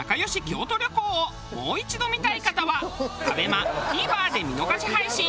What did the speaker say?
京都旅行をもう一度見たい方はＡＢＥＭＡＴＶｅｒで見逃し配信。